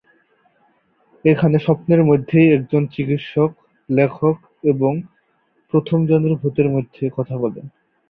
এখানে স্বপ্নের মধ্যেই একজন চিকিৎসক লেখক এবং প্রথম জনের ভূতের মধ্যে কথা বলেন।